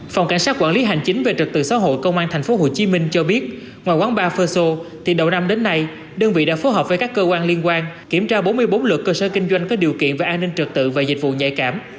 phòng cảnh sát quản lý hành chính về trật tự xã hội công an thành phố hồ chí minh cho biết ngoài quán bar fosso thì đầu năm đến nay đơn vị đã phối hợp với các cơ quan liên quan kiểm tra bốn mươi bốn luật cơ sở kinh doanh có điều kiện về an ninh trật tự và dịch vụ nhạy cảm